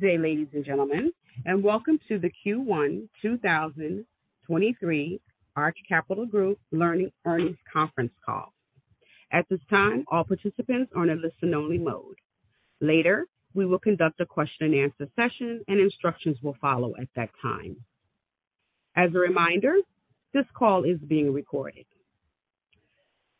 Good day, ladies and gentlemen, welcome to the Q1 2023 Arch Capital Group earnings conference call. At this time, all participants are in listen-only mode. Later, we will conduct a question-and-answer session. Instructions will follow at that time. As a reminder, this call is being recorded.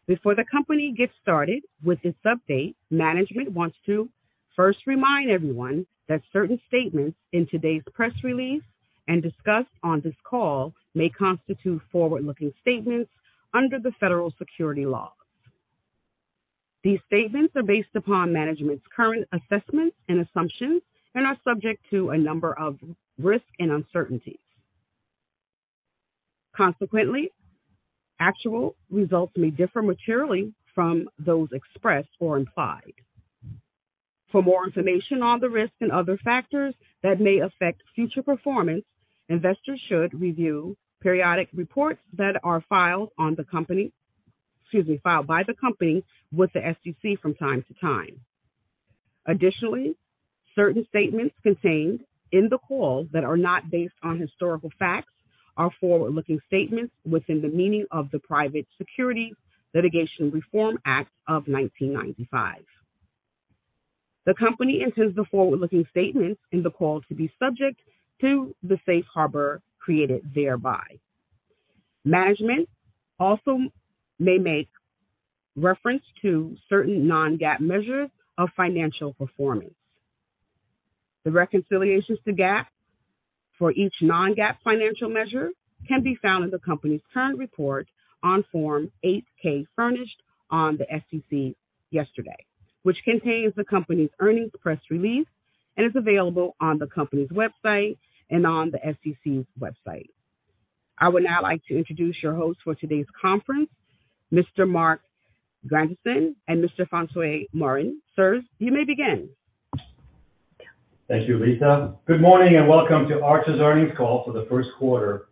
Before the company gets started with this update, management wants to first remind everyone that certain statements in today's press release and discussed on this call may constitute forward-looking statements under the federal securities laws. These statements are based upon management's current assessments and assumptions and are subject to a number of risks and uncertainties. Actual results may differ materially from those expressed or implied. For more information on the risks and other factors that may affect future performance, investors should review periodic reports that are filed by the company with the SEC from time to time. Additionally, certain statements contained in the call that are not based on historical facts are forward-looking statements within the meaning of the Private Securities Litigation Reform Act of 1995. The company intends the forward-looking statements in the call to be subject to the safe harbor created thereby. Management also may make reference to certain non-GAAP measures of financial performance. The reconciliations to GAAP for each non-GAAP financial measure can be found in the company's current report on Form 8-K furnished on the SEC yesterday, which contains the company's earnings press release and is available on the company's website and on the SEC's website. I would now like to introduce your host for today's conference, Mr. Marc Grandisson and Mr. François Morin. Sirs, you may begin. Thank you, Lisa. Good morning and welcome to Arch's earnings call for the first quarter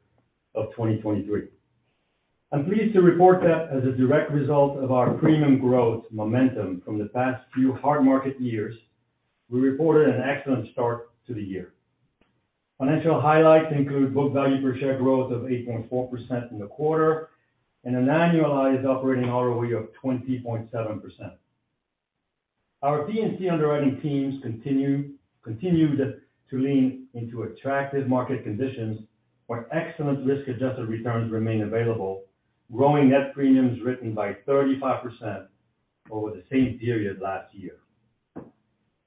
of 2023. I'm pleased to report that as a direct result of our premium growth momentum from the past few hard market years, we reported an excellent start to the year. Financial highlights include book value per share growth of 8.4% in the quarter and an annualized operating ROE of 20.7%. Our P&C underwriting teams continued to lean into attractive market conditions where excellent risk-adjusted returns remain available, growing net premiums written by 35% over the same period last year.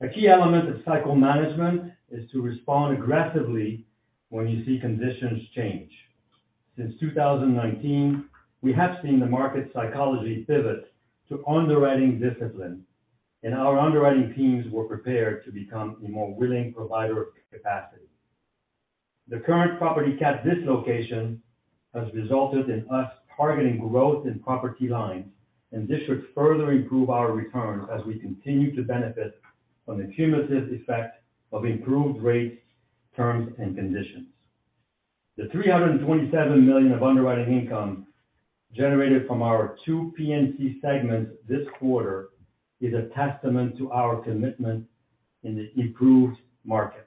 A key element of cycle management is to respond aggressively when you see conditions change. Since 2019, we have seen the market psychology pivot to underwriting discipline. Our underwriting teams were prepared to become a more willing provider of capacity. The current property cat dislocation has resulted in us targeting growth in property lines, and this should further improve our returns as we continue to benefit from the cumulative effect of improved rates, terms, and conditions. The $327 million of underwriting income generated from our two P&C segments this quarter is a testament to our commitment in the improved market.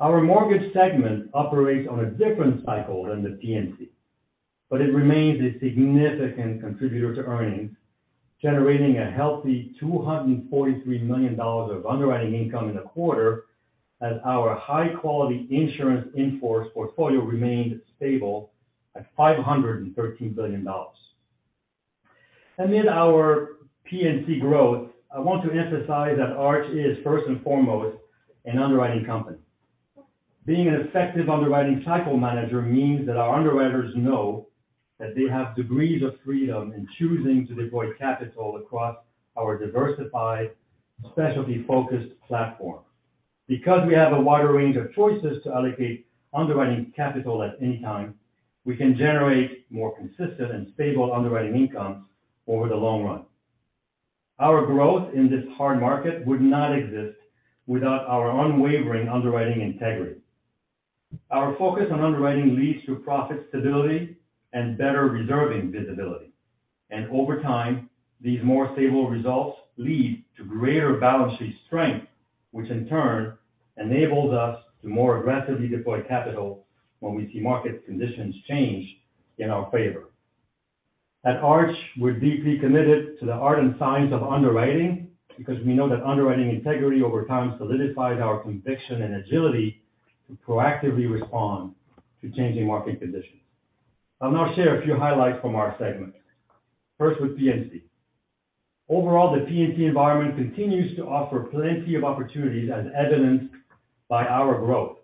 Our mortgage segment operates on a different cycle than the P&C, but it remains a significant contributor to earnings, generating a healthy $243 million of underwriting income in the quarter as our high-quality insurance in-force portfolio remained stable at $513 billion. Amid our P&C growth, I want to emphasize that Arch is first and foremost an underwriting company. Being an effective underwriting cycle manager means that our underwriters know that they have degrees of freedom in choosing to deploy capital across our diversified, specialty-focused platform. We have a wider range of choices to allocate underwriting capital at any time, we can generate more consistent and stable underwriting incomes over the long run. Our growth in this hard market would not exist without our unwavering underwriting integrity. Our focus on underwriting leads to profit stability and better reserving visibility. Over time, these more stable results lead to greater balance sheet strength, which in turn enables us to more aggressively deploy capital when we see market conditions change in our favor. At Arch, we're deeply committed to the art and science of underwriting because we know that underwriting integrity over time solidifies our conviction and agility to proactively respond to changing market conditions. I'll now share a few highlights from our segment, first with P&C. Overall, the P&C environment continues to offer plenty of opportunities as evidenced by our growth.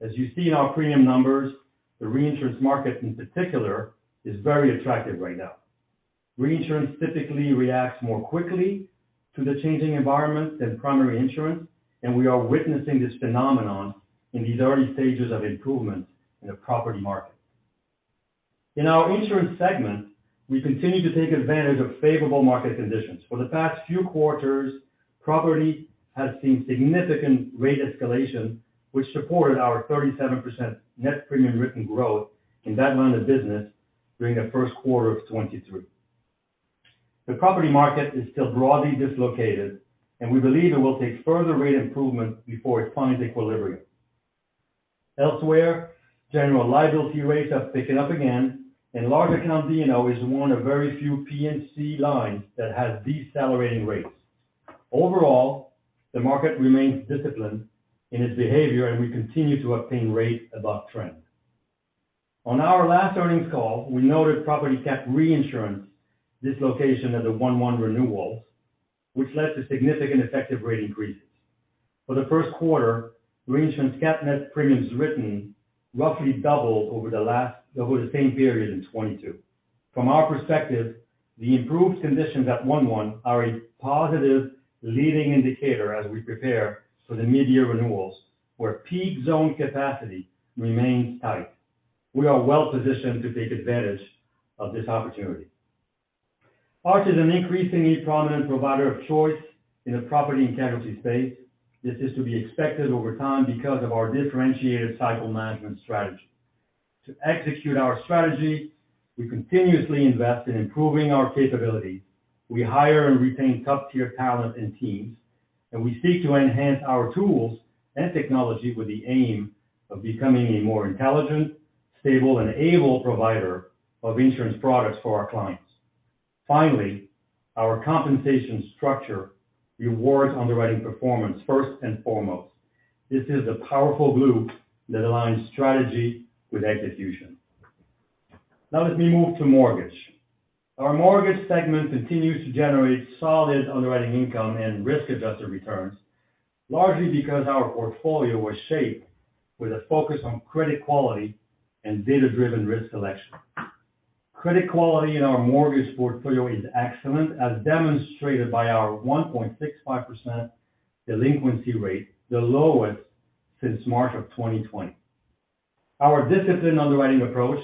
As you see in our premium numbers, the reinsurance market in particular is very attractive right now. Reinsurance typically reacts more quickly to the changing environment than primary insurance. We are witnessing this phenomenon in these early stages of improvement in the property market. In our insurance segment, we continue to take advantage of favorable market conditions. For the past few quarters, property has seen significant rate escalation, which supported our 37% net premium written growth in that line of business during the first quarter of 2023. The property market is still broadly dislocated. We believe it will take further rate improvement before it finds equilibrium. Elsewhere, general liability rates have picked up again. Large account D&O is one of very few P&C lines that has decelerating rates. Overall, the market remains disciplined in its behavior. We continue to obtain rates above trend. On our last earnings call, we noted property cat reinsurance dislocation at the 1/1 renewals, which led to significant effective rate increases. For the first quarter, reinsurance cat net premiums written roughly doubled over the same period in 2022. From our perspective, the improved conditions at 1/1 are a positive leading indicator as we prepare for the mid-year renewals, where peak zone capacity remains tight. We are well-positioned to take advantage of this opportunity. Arch is an increasingly prominent provider of choice in the property and casualty space. This is to be expected over time because of our differentiated cycle management strategy. To execute our strategy, we continuously invest in improving our capabilities. We hire and retain top-tier talent and teams, and we seek to enhance our tools and technology with the aim of becoming a more intelligent, stable, and able provider of insurance products for our clients. Finally, our compensation structure rewards underwriting performance first and foremost. This is a powerful glue that aligns strategy with execution. Let me move to mortgage. Our mortgage segment continues to generate solid underwriting income and risk-adjusted returns, largely because our portfolio was shaped with a focus on credit quality and data-driven risk selection. Credit quality in our mortgage portfolio is excellent, as demonstrated by our 1.65% delinquency rate, the lowest since March of 2020. Our disciplined underwriting approach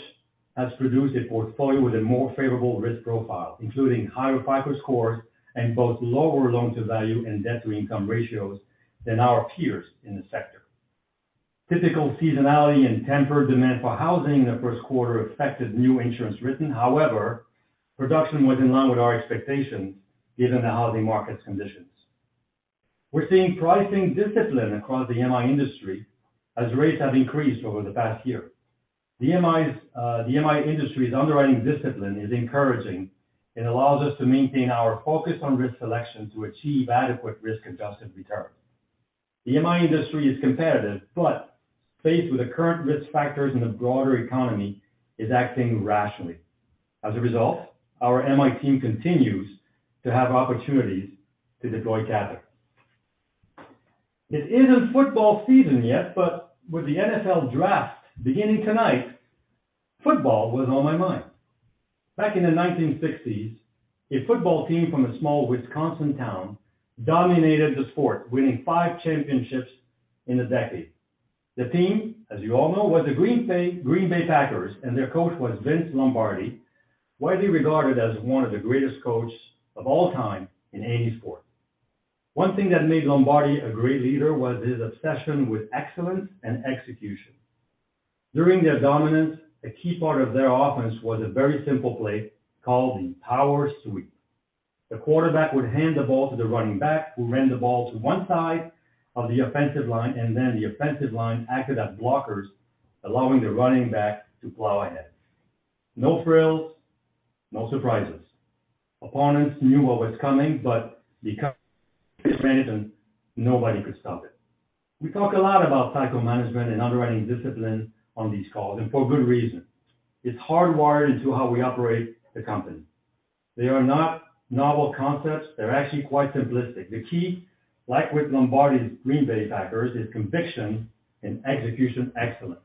has produced a portfolio with a more favorable risk profile, including higher FICO scores and both lower loan-to-value and debt-to-income ratios than our peers in the sector. Typical seasonality and tempered demand for housing in the first quarter affected new insurance written. However, production was in line with our expectations given the housing market's conditions. We're seeing pricing discipline across the MI industry as rates have increased over the past year. The MI industry's underwriting discipline is encouraging and allows us to maintain our focus on risk selection to achieve adequate risk-adjusted returns. The MI industry is competitive, but faced with the current risk factors in the broader economy, is acting rationally. As a result, our MI team continues to have opportunities to deploy capital. It isn't football season yet, but with the NFL draft beginning tonight, football was on my mind. Back in the 1960s, a football team from a small Wisconsin town dominated the sport, winning five championships in a decade. The team, as you all know, was the Green Bay Packers, and their coach was Vince Lombardi, widely regarded as one of the greatest coaches of all time in any sport. One thing that made Lombardi a great leader was his obsession with excellence and execution. During their dominance, a key part of their offense was a very simple play called the power sweep. The quarterback would hand the ball to the running back, who ran the ball to one side of the offensive line, and then the offensive line acted as blockers, allowing the running back to plow ahead. No frills, no surprises. Opponents knew what was coming, but because of management, nobody could stop it. We talk a lot about cycle management and underwriting discipline on these calls, and for good reason. It's hardwired into how we operate the company. They are not novel concepts. They're actually quite simplistic. The key, like with Lombardi's Green Bay Packers, is conviction and execution excellence.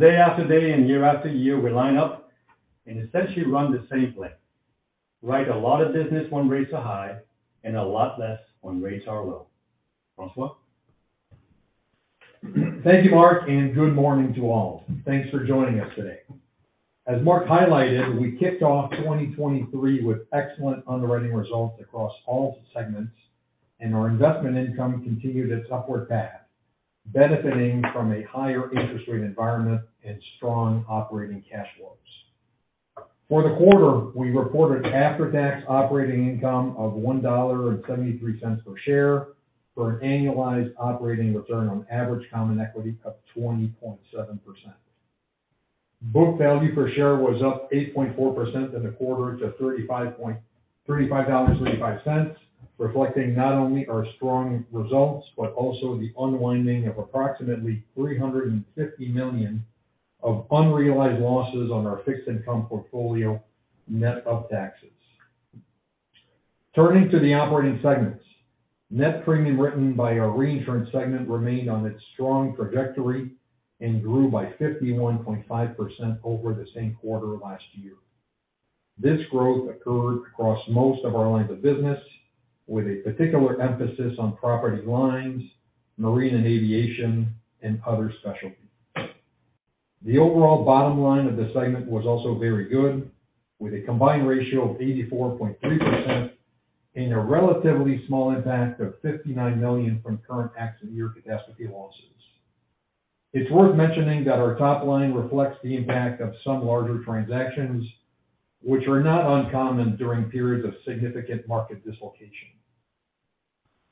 day after day and year after year, we line up and essentially run the same play. Write a lot of business when rates are high and a lot less when rates are low. François? Thank you, Marc. Good morning to all. Thanks for joining us today. As Marc highlighted, we kicked off 2023 with excellent underwriting results across all segments. Our investment income continued its upward path, benefiting from a higher interest rate environment and strong operating cash flows. For the quarter, we reported after-tax operating income of $1.73 per share for an annualized operating return on average common equity of 20.7%. Book value per share was up 8.4% in the quarter to $35.35, reflecting not only our strong results, but also the unwinding of approximately $350 million of unrealized losses on our fixed income portfolio, net of taxes. Turning to the operating segments. Net premium written by our reinsurance segment remained on its strong trajectory and grew by 51.5% over the same quarter last year. This growth occurred across most of our lines of business, with a particular emphasis on property lines, marine and aviation, and other specialties. The overall bottom line of this segment was also very good, with a combined ratio of 84.3% and a relatively small impact of $59 million from current accident year catastrophe losses. It's worth mentioning that our top line reflects the impact of some larger transactions, which are not uncommon during periods of significant market dislocation.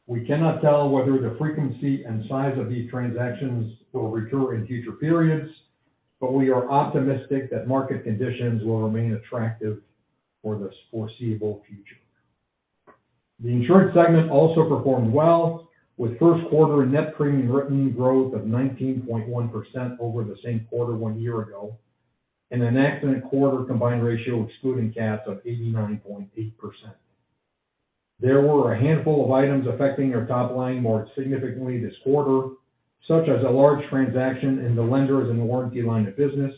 We cannot tell whether the frequency and size of these transactions will recur in future periods, but we are optimistic that market conditions will remain attractive for the foreseeable future. The insurance segment also performed well with first quarter net premium written growth of 19.1% over the same quarter one year ago, and an accident quarter combined ratio excluding cats of 89.8%. There were a handful of items affecting our top line more significantly this quarter, such as a large transaction in the lenders and the warranty line of business,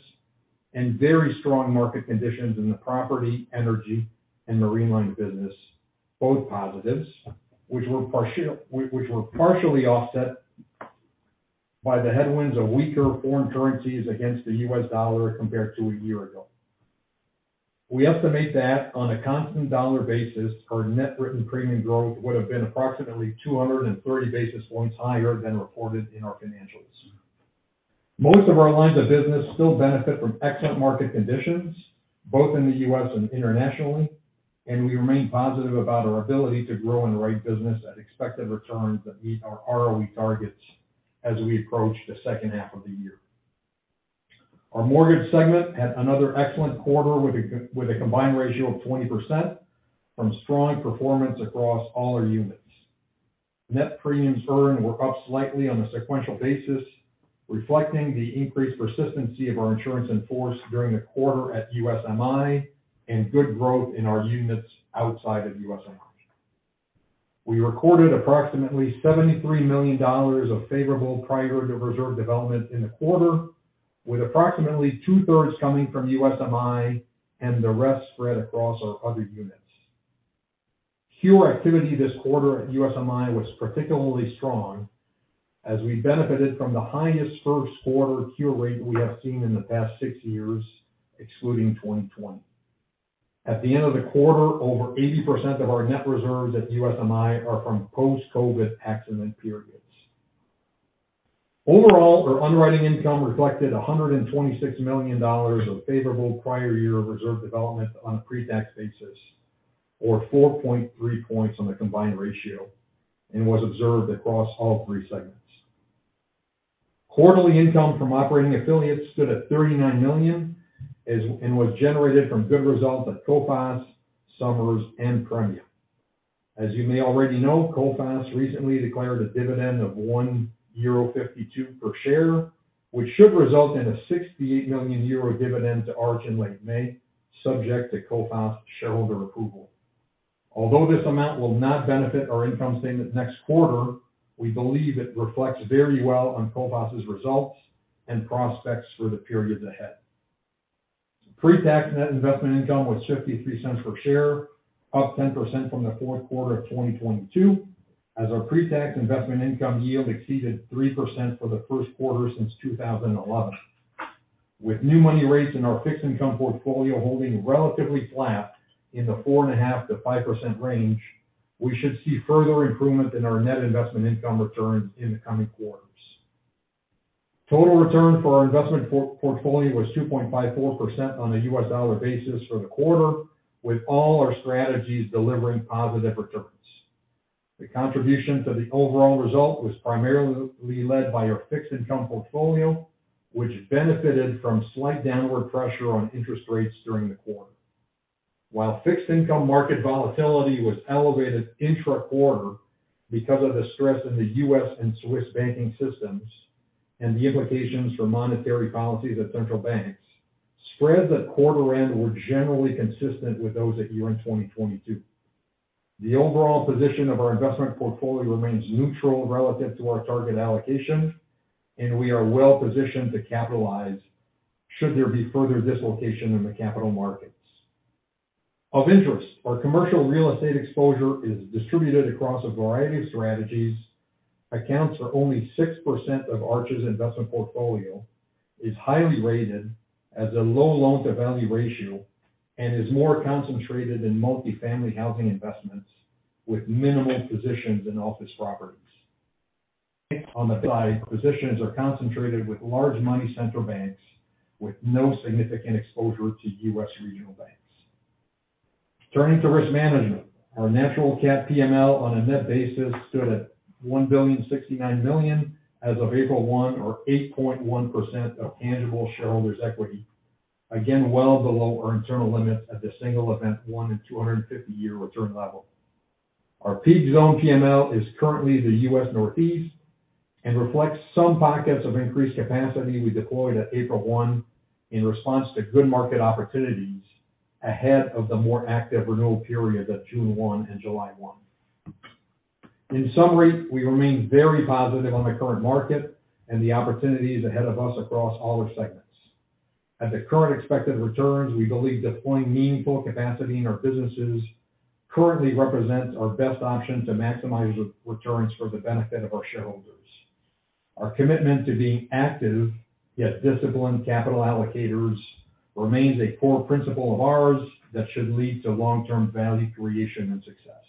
and very strong market conditions in the property, energy, and marine line of business, both which were partially offset by the headwinds of weaker foreign currencies against the US dollar compared to a year ago. We estimate that on a constant dollar basis, our net written premium growth would have been approximately 230 basis points higher than reported in our financials. Most of our lines of business still benefit from excellent market conditions both in the U.S. and internationally. We remain positive about our ability to grow in the right business at expected returns that meet our ROE targets as we approach the second half of the year. Our mortgage segment had another excellent quarter with a combined ratio of 20% from strong performance across all our units. Net premiums earned were up slightly on a sequential basis, reflecting the increased persistency of our insurance in force during the quarter at USMI and good growth in our units outside of USMI. We recorded approximately $73 million of favorable prior year reserve development in the quarter, with approximately two-thirds coming from USMI and the rest spread across our other units. Cure activity this quarter at USMI was particularly strong as we benefited from the highest first quarter cure rate we have seen in the past six years, excluding 2020. At the end of the quarter, over 80% of our net reserves at USMI are from post-COVID accident periods. Overall, our underwriting income reflected $126 million of favorable prior year reserve development on a pre-tax basis, or 4.3 points on the combined ratio, and was observed across all three segments. Quarterly income from operating affiliates stood at $39 million and was generated from good results at Coface, Somers, and Premia. As you may already know, Coface recently declared a dividend of 1.52 euro per share, which should result in a 68 million euro dividend to Arch in late May, subject to Coface shareholder approval. Although this amount will not benefit our income statement next quarter, we believe it reflects very well on Coface's results and prospects for the periods ahead. Pre-tax net investment income was $0.53 per share, up 10% from the fourth quarter of 2022 as our pre-tax investment income yield exceeded 3% for the first quarter since 2011. With new money rates in our fixed income portfolio holding relatively flat in the 4.5%-5% range, we should see further improvement in our net investment income returns in the coming quarters. Total return for our investment portfolio was 2.54% on a US dollar basis for the quarter, with all our strategies delivering positive returns. The contribution to the overall result was primarily led by our fixed income portfolio, which benefited from slight downward pressure on interest rates during the quarter. While fixed income market volatility was elevated intra-quarter because of the stress in the U.S. and Swiss banking systems and the implications for monetary policies at central banks, spreads at quarter end were generally consistent with those at year-end 2022. The overall position of our investment portfolio remains neutral relative to our target allocation. We are well positioned to capitalize should there be further dislocation in the capital markets. Of interest, our commercial real estate exposure is distributed across a variety of strategies, accounts for only 6% of Arch's investment portfolio, is highly rated as a low loan to value ratio and is more concentrated in multi-family housing investments with minimal positions in office properties. On the cash side, positions are concentrated with large money center banks with no significant exposure to U.S. regional banks. Turning to risk management. Our natural cat PML on a net basis stood at $1.069 billion as of April 1 or 8.1% of tangible shareholders' equity. Again, well below our internal limits at the single event 1 in 250-year return level. Our peak zone PML is currently the U.S. Northeast and reflects some pockets of increased capacity we deployed at April 1 in response to good market opportunities ahead of the more active renewal periods at June 1 and July 1. In summary, we remain very positive on the current market and the opportunities ahead of us across all our segments. At the current expected returns, we believe deploying meaningful capacity in our businesses currently represents our best option to maximize returns for the benefit of our shareholders. Our commitment to being active, yet disciplined capital allocators remains a core principle of ours that should lead to long-term value creation and success.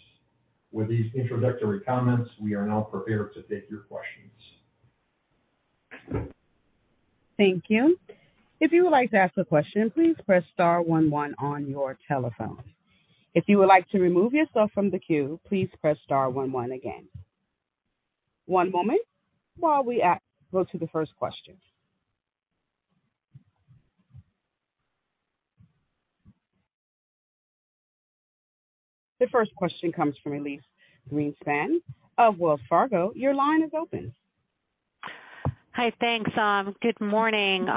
With these introductory comments, we are now prepared to take your questions. Thank you. If you would like to ask a question, please press star one one on your telephone. If you would like to remove yourself from the queue, please press star one one again. One moment while we ask go to the first question. The first question comes from Elyse Greenspan of Wells Fargo. Your line is open. Hi. Thanks. Good morning.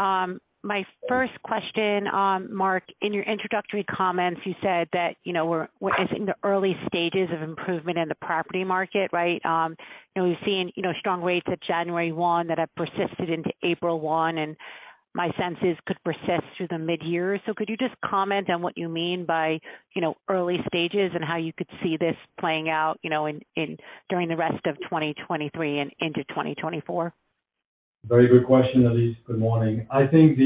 My first question, Marc, in your introductory comments, you said that, you know, we're in the early stages of improvement in the property market, right? We've seen, you know, strong rates at January 1 that have persisted into April 1, and my sense is could persist through the midyear. Could you just comment on what you mean by, you know, early stages and how you could see this playing out, you know, in during the rest of 2023 and into 2024? Very good question, Elyse. Good morning. I think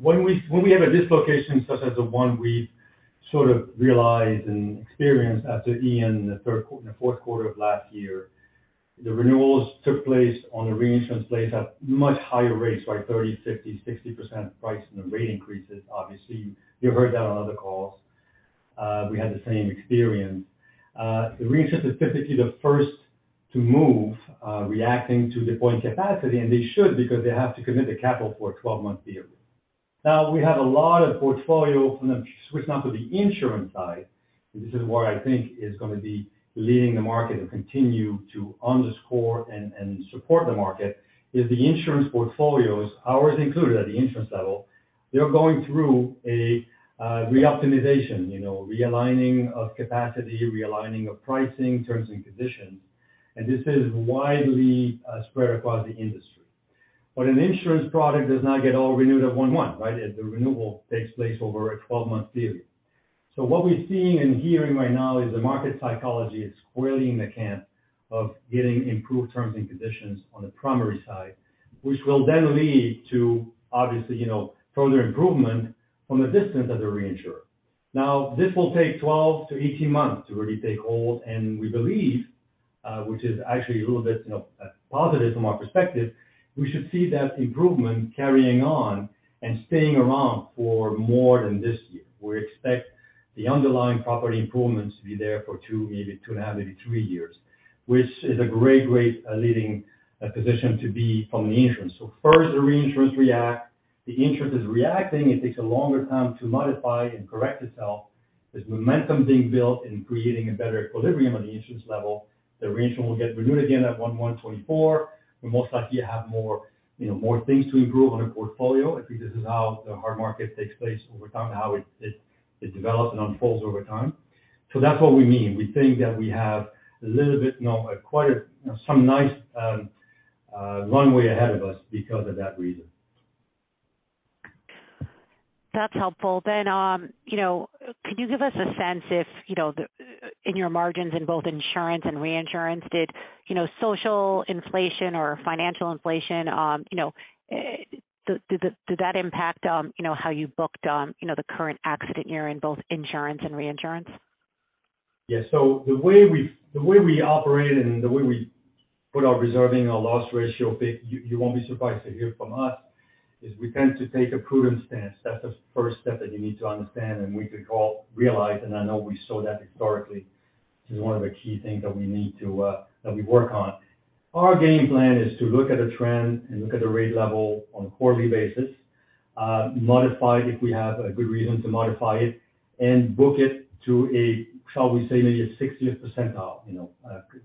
When we have a dislocation such as the one we sort of realized and experienced after Ian in the fourth quarter of last year, the renewals took place on the reinsurance place at much higher rates, right, 30%, 50%, 60% price and the rate increases, obviously. You've heard that on other calls. We had the same experience. The reinsurance is typically the first to move, reacting to deploying capacity, and they should because they have to commit the capital for a 12-month period. We have a lot of portfolio. I'm going to switch now to the insurance side. This is where I think is going to be leading the market and continue to underscore and support the market, is the insurance portfolios, ours included at the insurance level, they're going through a re-optimization, you know, realigning of capacity, realigning of pricing, terms, and conditions. This is widely spread across the industry. An insurance product does not get all renewed at 1/1, right? The renewal takes place over a 12-month period. What we're seeing and hearing right now is the market psychology is spoiling the cat of getting improved terms and conditions on the primary side, which will then lead to, obviously, you know, further improvement from the distance of the reinsurer. This will take 12 to 18 months to really take hold, and we believe, which is actually a little bit, you know, positive from our perspective, we should see that improvement carrying on and staying around for more than this year. We expect the underlying property improvements to be there for two, maybe two and a half, maybe three years, which is a great leading position to be from the insurance. First, the reinsurance react. The insurance is reacting. It takes a longer time to modify and correct itself. There's momentum being built in creating a better equilibrium on the insurance level. The reinsurance will get renewed again at 1/1/2024. We most likely have more, you know, more things to improve on our portfolio. I think this is how the hard market takes place over time, how it develops and unfolds over time. That's what we mean. We think that we have a little bit, you know, quite a, you know, some nice runway ahead of us because of that reason. That's helpful. you know, could you give us a sense if, you know, the in your margins in both insurance and reinsurance, did, you know, social inflation or financial inflation, you know, did that impact, you know, how you booked, you know, the current accident year in both insurance and reinsurance? Yeah. The way we operate and the way we put our reserving, our loss ratio, you won't be surprised to hear from us, is we tend to take a prudent stance. That's the first step that you need to understand, and we could all realize, and I know we saw that historically. This is one of the key things that we need to, that we work on. Our game plan is to look at a trend and look at the rate level on a quarterly basis, modify it if we have a good reason to modify it, and book it to a, shall we say, maybe a 60th percentile, you know,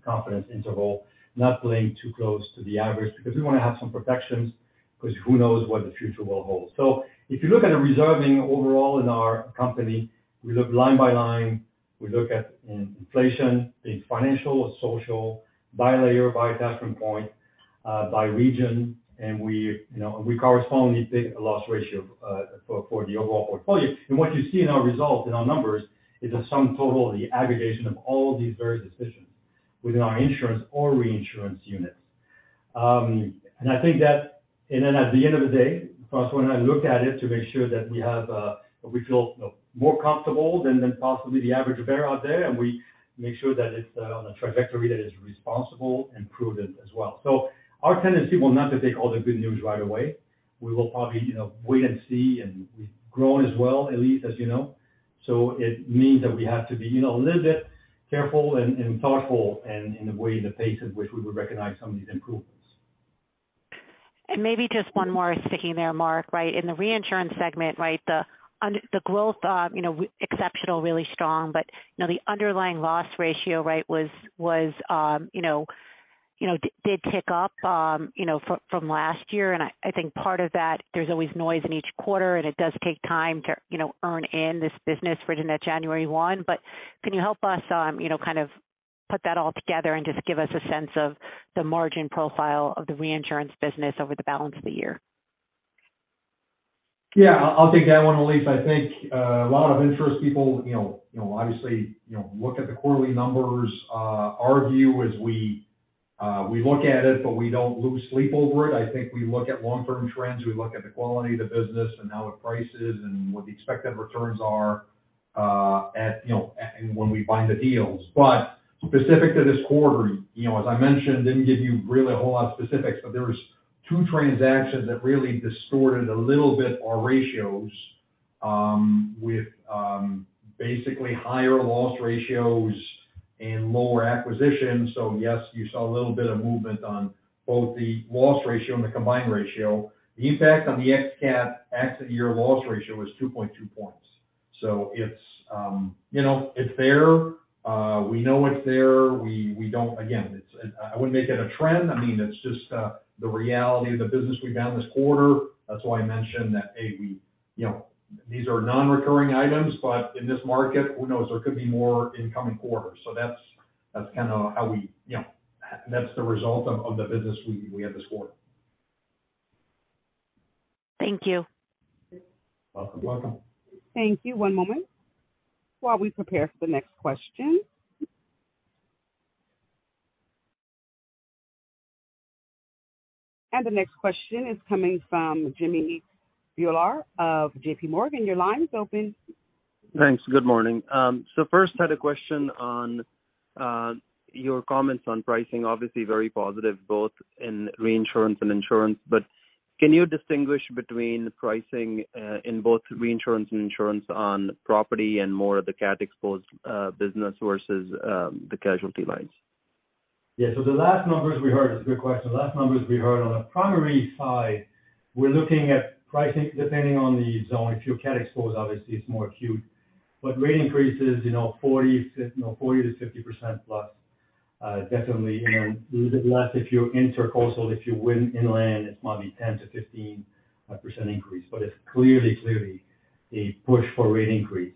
confidence interval, not playing too close to the average, because we want to have some protections, because who knows what the future will hold. If you look at the reserving overall in our company, we look line by line, we look at inflation, be it financial or social, by layer, by attachment point, by region, and we, you know, we correspondingly take a loss ratio for the overall portfolio. What you see in our results, in our numbers, is the sum total of the aggregation of all these various decisions within our insurance or reinsurance units. I think that. At the end of the day, François and I look at it to make sure that we have, we feel, you know, more comfortable than possibly the average bear out there, and we make sure that it's on a trajectory that is responsible and prudent as well. Our tendency will not to take all the good news right away. We will probably, you know, wait and see. We've grown as well, Elyse, as you know. It means that we have to be, you know, a little bit careful and thoughtful in the way and the pace at which we would recognize some of these improvements. Maybe just one more sticking there, Marc, right? In the reinsurance segment, right, the growth, you know, exceptional, really strong, but, you know, the underlying loss ratio, right, was, you know, did tick up, you know, from last year. I think part of that, there's always noise in each quarter, and it does take time to, you know, earn in this business written at January 1. Can you help us, you know, kind of put that all together and just give us a sense of the margin profile of the reinsurance business over the balance of the year? Yeah. I'll take that one, Elyse. I think a lot of insurance people, you know, obviously, you know, look at the quarterly numbers. Our view is we look at it, but we don't lose sleep over it. I think we look at long-term trends. We look at the quality of the business and how it prices and what the expected returns are at and when we find the deals. Specific to this quarter, you know, as I mentioned, I didn't give you really a whole lot of specifics, but there was two transactions that really distorted a little bit our ratios with basically higher loss ratios and lower acquisition. Yes, you saw a little bit of movement on both the loss ratio and the combined ratio. The impact on the ex-cat accident year loss ratio was 2.2 points. It's, you know, it's there. We know it's there. Again, it's, I wouldn't make it a trend. I mean, it's just the reality of the business we've had this quarter. That's why I mentioned that, A, we, you know, these are non-recurring items. In this market, who knows? There could be more in coming quarters. That's kinda how we, you know, that's the result of the business we had this quarter. Thank you. You're welcome. Thank you. One moment while we prepare for the next question. The next question is coming from Jimmy Bhullar of JPMorgan. Your line is open. Thanks. Good morning. First had a question on your comments on pricing, obviously very positive both in reinsurance and insurance. Can you distinguish between pricing in both reinsurance and insurance on property and more of the cat exposed business versus the casualty lines? Yeah. The last numbers we heard, it's a good question. The last numbers we heard on the primary side, we're looking at pricing depending on the zone. If you're cat exposed, obviously it's more acute. Rate increases, you know, 40% to, you know, 40%-50% plus, definitely. A little bit less if you're intercoastal. If you win inland, it might be 10-15% increase. It's clearly a push for rate increase.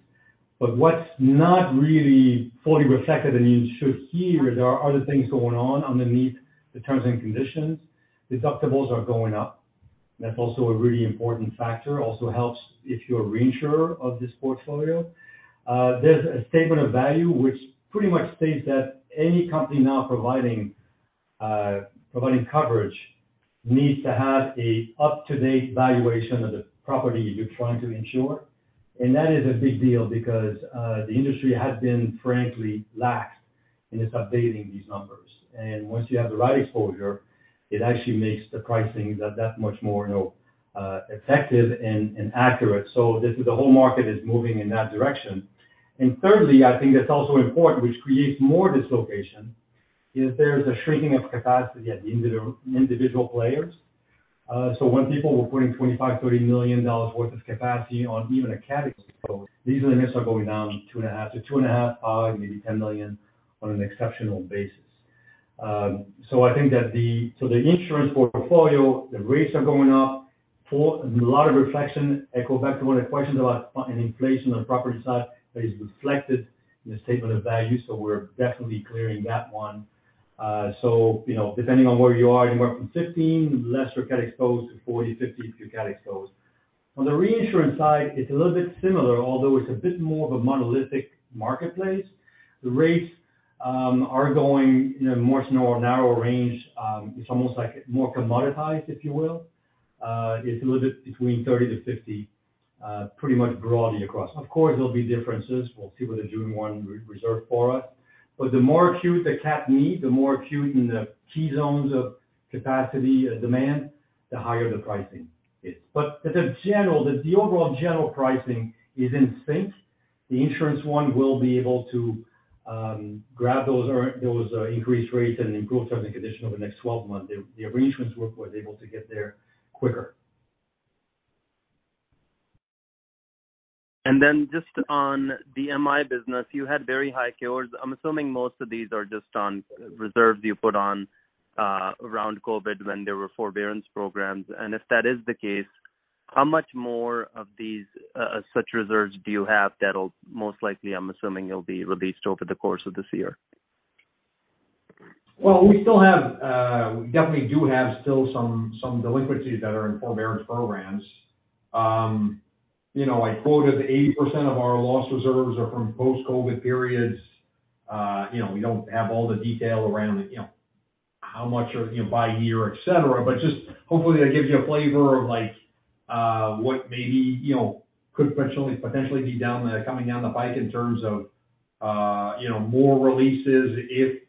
What's not really fully reflected, and you should hear, there are other things going on underneath the terms and conditions. Deductibles are going up. That's also a really important factor, also helps if you're a reinsurer of this portfolio. There's a statement of value which pretty much states that any company now providing, providing coverage needs to have a up-to-date valuation of the property you're trying to insure. That is a big deal because the industry has been frankly lax in its updating these numbers. Once you have the right exposure, it actually makes the pricing that much more, you know, effective and accurate. This is the whole market is moving in that direction. Thirdly, I think that's also important, which creates more dislocation, is there's a shrinking of capacity at the individual players. So when people were putting $25 million-$30 million worth of capacity on even a cat exposed, these limits are going down $2.5 million, to $2.5 million, maybe $10 million on an exceptional basis. I think that the insurance portfolio, the rates are going up for a lot of reflection. I go back to one of the questions about an inflation on the property side that is reflected in the statement of value. We're definitely clearing that one. You know, depending on where you are, you went from 15% lesser cat exposed to 40%, 50% if you're cat exposed. On the reinsurance side, it's a little bit similar, although it's a bit more of a monolithic marketplace. The rates are going in a much more narrow range. It's almost like more commoditized, if you will. It's a little bit between 30%-50% pretty much broadly across. Of course, there'll be differences. We'll see what the June 1 reserve for us. The more acute the cat need, the more acute in the key zones of capacity demand, the higher the pricing is. As a general, the overall general pricing is in sync. The insurance one will be able to grab those increased rates and improve terms and condition over the next 12 months. The reinsurance work was able to get there quicker. Just on the MI business, you had very high cures. I'm assuming most of these are just on reserves you put on around COVID when there were forbearance programs. If that is the case, how much more of these such reserves do you have that'll most likely, I'm assuming, will be released over the course of this year? Well, we still have, we definitely do have still some delinquencies that are in forbearance programs. You know, I quoted 80% of our loss reserves are from post-COVID periods. You know, we don't have all the detail around, you know, how much are, you know, by year, etcetera. Just hopefully that gives you a flavor of like, what maybe, you know, could potentially be coming down the pike in terms of, you know, more releases if,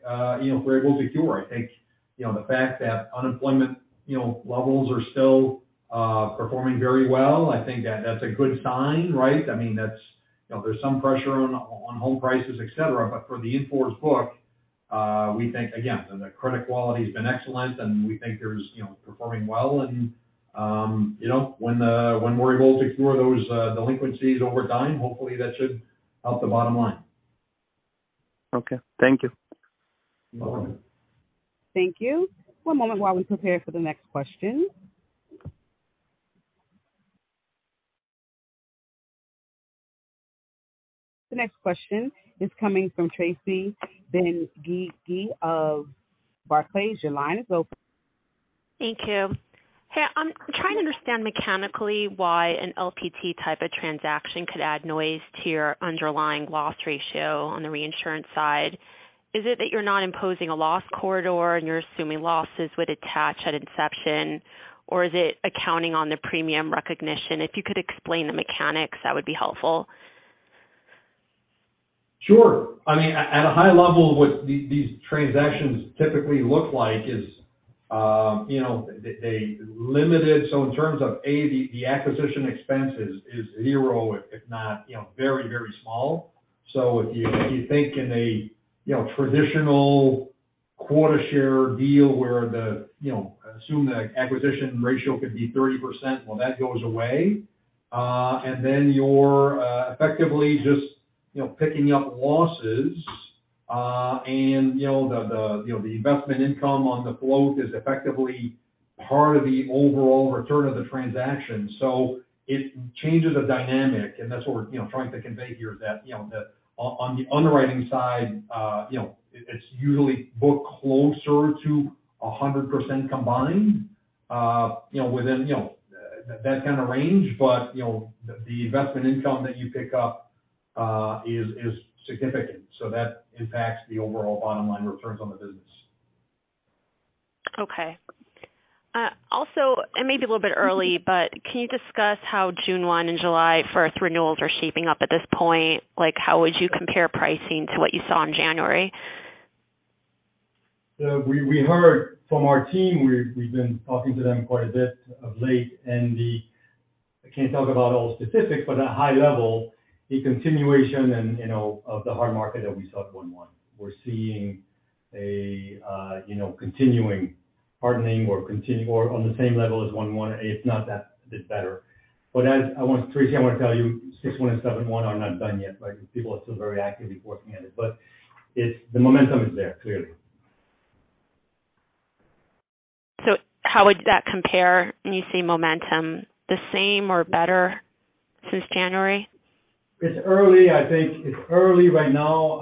you know, we're able to cure. I think, you know, the fact that unemployment, you know, levels are still performing very well, I think that that's a good sign, right? I mean, that's, you know, there's some pressure on home prices, etcetera. For the in-force book, we think again, the credit quality's been excellent and we think there's, you know, performing well. You know, when we're able to cure those delinquencies over time, hopefully that should help the bottom line. Okay. Thank you. You're welcome. Thank you. One moment while we prepare for the next question. The next question is coming from Tracy Dolin-Benguigui of Barclays. Your line is open. Thank you. Hey, I'm trying to understand mechanically why an LPT type of transaction could add noise to your underlying loss ratio on the reinsurance side. Is it that you're not imposing a loss corridor and you're assuming losses would attach at inception? Or is it accounting on the premium recognition? If you could explain the mechanics, that would be helpful. Sure. I mean, at a high level, what these transactions typically look like is, you know, they limited. In terms of, A, the acquisition expense is zero, if not, you know, very, very small. If you think in a, you know, traditional quota share deal where the, you know, assume the acquisition ratio could be 30%, well, that goes away. You're effectively just, you know, picking up losses. You know, the, you know, the investment income on the float is effectively part of the overall return of the transaction. It changes the dynamic, and that's what we're, you know, trying to convey here, is that, you know, on the underwriting side, you know, it's usually booked closer to 100% combined, you know, within, you know, that kind of range. You know, the investment income that you pick up, is significant. That impacts the overall bottom line returns on the business. Okay. Also, it may be a little bit early, but can you discuss how June 1 and July 1st renewals are shaping up at this point? Like, how would you compare pricing to what you saw in January? We heard from our team, we've been talking to them quite a bit of late. I can't talk about all the specifics, but at high level, a continuation and, you know, of the hard market that we saw at one-one. We're seeing, you know, continuing hardening or on the same level as one-one. If not that, it's better. As I want to tell you, Tracy, six one and seven one are not done yet. Like, people are still very actively working on it. The momentum is there, clearly. How would that compare when you say momentum? The same or better since January? It's early. I think it's early right now.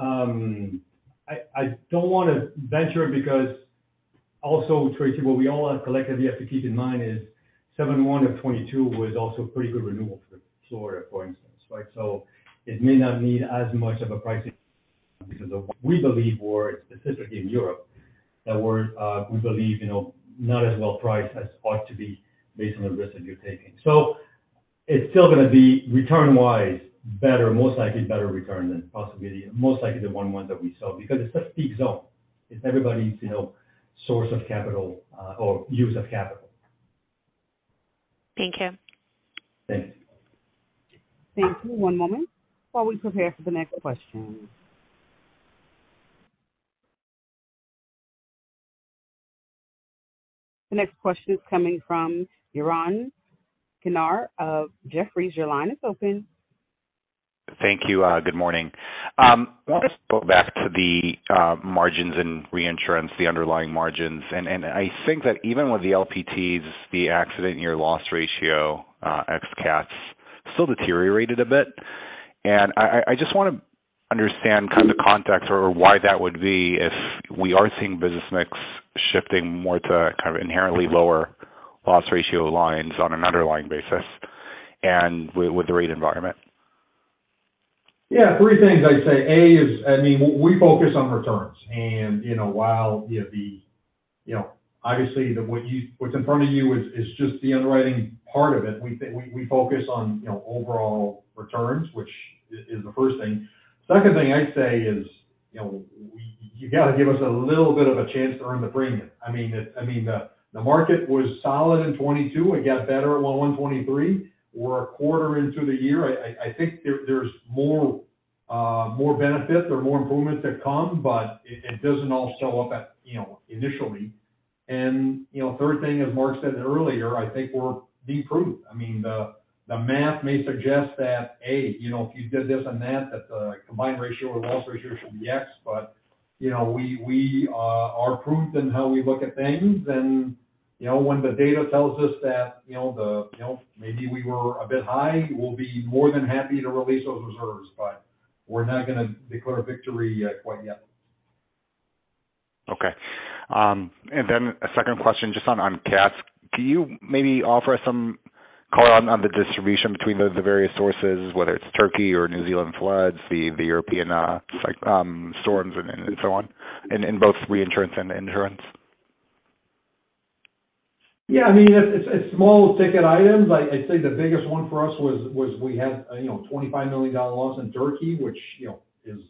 I don't want to venture because also, Tracy, what we all collectively have to keep in mind is 7/1 of 2022 was also pretty good renewal for the quarter, for instance, right? It may not need as much of a pricing because of we believe more specifically in Europe that we believe, you know, not as well priced as ought to be based on the risk that you're taking. It's still gonna be return wise, better, most likely better return than possibly most likely the 1/1 that we saw because it's a peak zone. It's everybody's, you know, source of capital or use of capital. Thank you. Thanks. Thank you. One moment while we prepare for the next question. The next question is coming from Yaron Kinar of Jefferies. Your line is open. Thank you. Good morning. I want to go back to the margins in reinsurance, the underlying margins. I think that even with the LPTs, the accident, your loss ratio, ex cats still deteriorated a bit. I just want to understand kind of the context or why that would be if we are seeing business mix shifting more to kind of inherently lower loss ratio lines on an underlying basis and with the rate environment? Yeah. Three things I'd say. A is, I mean, we focus on returns. You know, while, you know, the, you know, obviously what's in front of you is just the underwriting part of it. We focus on, you know, overall returns, which is the first thing. Second thing I'd say is, you know, you got to give us a little bit of a chance to earn the premium. I mean, the market was solid in 2022. It got better at 1/1/2023. We're a quarter into the year. I think there's more benefits or more improvements to come, but it doesn't all show up at, you know, initially. You know, third thing, as Marc said earlier, I think we're being prudent. I mean, the math may suggest that, A, you know, if you did this and that the combined ratio or loss ratio should be X. You know, we are prudent in how we look at things. You know, when the data tells us that, you know, the, you know, maybe we were a bit high, we'll be more than happy to release those reserves, but we're not gonna declare victory, quite yet. Okay. A second question just on cats. Can you maybe offer some color on the distribution between the various sources, whether it's Turkey or New Zealand floods, the European storms and so on, in both reinsurance and insurance? Yeah. I mean, it's small ticket items. I'd say the biggest one for us was we had, you know, $25 million loss in Turkey, which, you know, is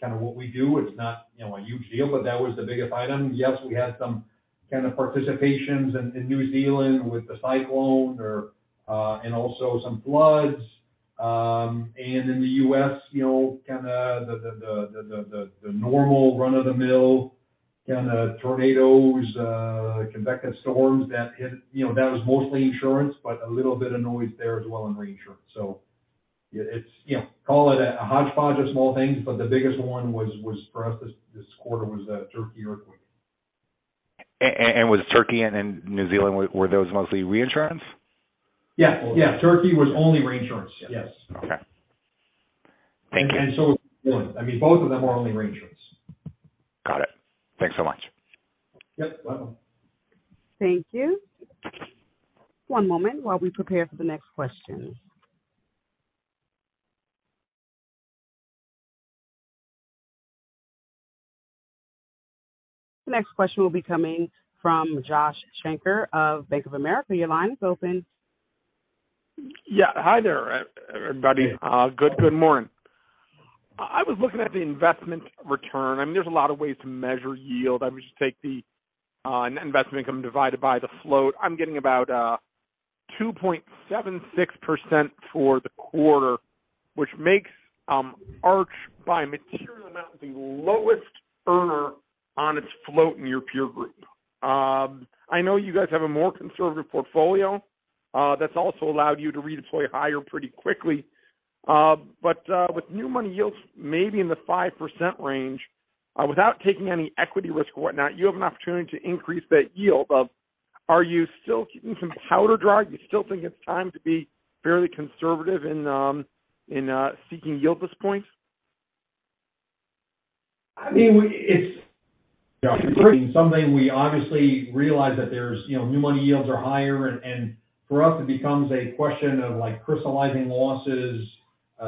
kind of what we do. It's not, you know, a huge deal, but that was the biggest item. Yes, we had some kind of participations in New Zealand with the cyclone or and also some floods. In the U.S., you know, kind of the normal run-of-the-mill kind of tornadoes, convective storms that hit. You know, that was mostly insurance, but a little bit of noise there as well in reinsurance. It's, you know, call it a hodgepodge of small things, but the biggest one was for us this quarter was the Turkey earthquake. Was Turkey and then New Zealand, were those mostly reinsurance? Yeah. Yeah. Turkey was only reinsurance. Yes. Okay. Is Florida. I mean, both of them are only reinsurance. Got it. Thanks so much. Yep. Thank you. One moment while we prepare for the next question. The next question will be coming from Josh Shanker of Bank of America. Your line is open. Yeah. Hi there, everybody. Good morning. I was looking at the investment return. I mean, there's a lot of ways to measure yield. I would just take the investment income divided by the float. I'm getting about 2.76% for the quarter, which makes Arch by a material amount, the lowest earner on its float in your peer group. I know you guys have a more conservative portfolio that's also allowed you to redeploy higher pretty quickly. With new money yields maybe in the 5% range, without taking any equity risk or whatnot, you have an opportunity to increase that yield. Are you still keeping some powder dry? Do you still think it's time to be fairly conservative in seeking yield at this point? I mean, It's something we obviously realize that there's, you know, new money yields are higher, and for us it becomes a question of, like, crystallizing losses.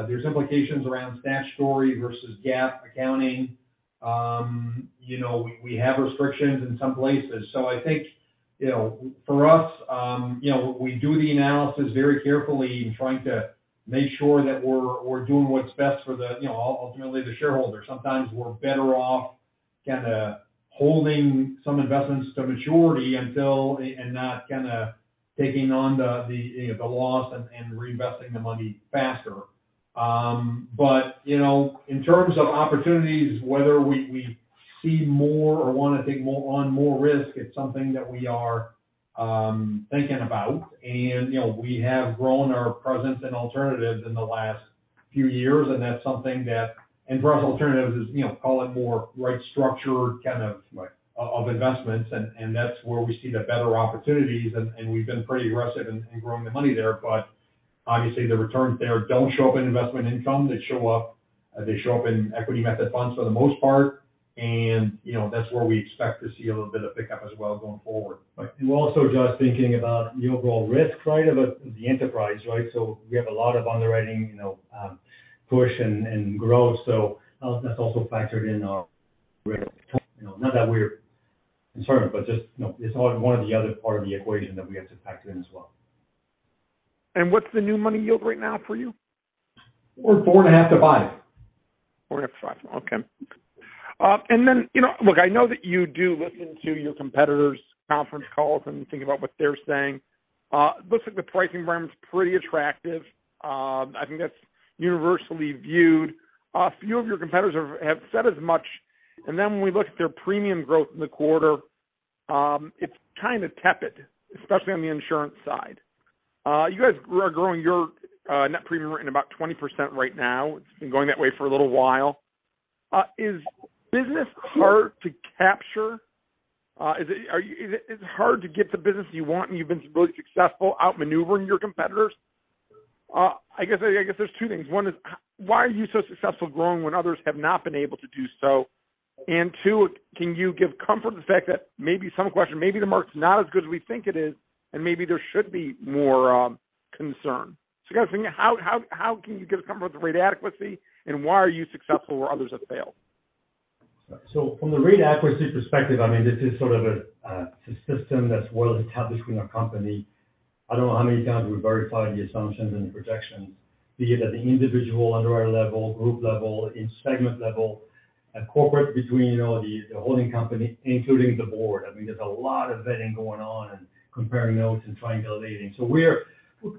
There's implications around statutory versus GAAP accounting. You know, we have restrictions in some places. I think, you know, for us, you know, we do the analysis very carefully in trying to make sure that we're doing what's best for the, you know, ultimately the shareholder. Sometimes we're better off kinda holding some investments to maturity until, and not kinda taking on the, you know, the loss and reinvesting the money faster. In terms of opportunities, whether we see more or wanna take more, on more risk, it's something that we are thinking about. You know, we have grown our presence in alternatives in the last few years, and that's something that. For us, alternatives is, you know, call it more right structured of investments, and that's where we see the better opportunities and we've been pretty aggressive in growing the money there. Obviously the returns there don't show up in investment income. They show up in equity method funds for the most part. You know, that's where we expect to see a little bit of pickup as well going forward. Right. Also just thinking about the overall risk, right? Of the enterprise, right? We have a lot of underwriting, you know, push and grow. That's also factored in our risk. You know, not that we're concerned, but just, you know, it's one of the other part of the equation that we have to factor in as well. What's the new money yield right now for you? We're 4.5-5. 4.5-5. Okay. You know, look, I know that you do listen to your competitors' conference calls and think about what they're saying. Looks like the pricing environment's pretty attractive. I think that's universally viewed. A few of your competitors have said as much. When we look at their premium growth in the quarter, it's kind of tepid, especially on the insurance side. You guys are growing your net premium written about 20% right now. It's been going that way for a little while. Is business hard to capture? Hard to get the business you want and you've been really successful outmaneuvering your competitors? I guess there's two things. One is why are you so successful growing when others have not been able to do so? Two, can you give comfort to the fact that maybe some question, maybe the market's not as good as we think it is, and maybe there should be more concern? I guess, I mean, how can you give us comfort with the rate adequacy, and why are you successful where others have failed? From the rate adequacy perspective, I mean, this is sort of a, it's a system that's well established in our company. I don't know how many times we verify the assumptions and the projections, be it at the individual underwriter level, group level, in segment level, at corporate between, you know, the holding company, including the board. I mean, there's a lot of vetting going on and comparing notes and triangulating. We're